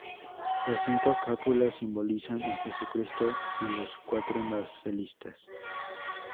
Las cinco cúpulas simbolizan a Jesucristo y los cuatro evangelistas.